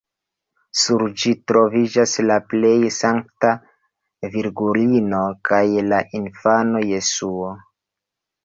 Sur ĝi troviĝas la plej Sankta Virgulino kaj la infano Jesuo.